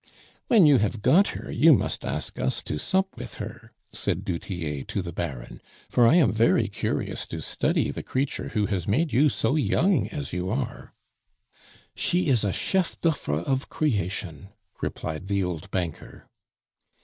"When you have got her, you must ask us to sup with her," said du Tillet to the Baron, "for I am very curious to study the creature who has made you so young as you are." "She is a cheff d'oeufre of creation!" replied the old banker.